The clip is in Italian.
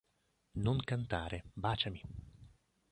Non cantare... baciami!